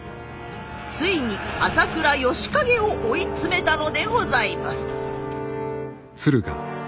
ついに朝倉義景を追い詰めたのでございます。